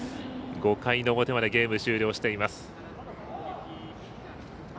５回の表までゲーム終了しています。